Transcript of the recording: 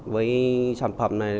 với sản phẩm này